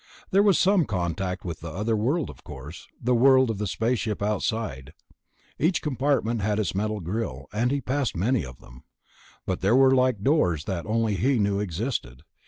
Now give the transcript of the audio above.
There was some contact with the other world, of course, the world of the spaceship outside ... each compartment had its metal grill, and he passed many of them. But there were like doors that only he knew existed.